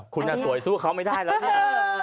คุณสวยสู้เขาไม่ได้แล้วเนี่ย